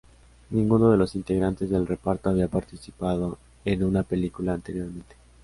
Ninguno de los integrantes del reparto había participado en una película anteriormente.